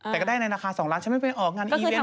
แต่ก็ได้ในราคา๒ล้านฉันไม่ไปออกงานอีเวนต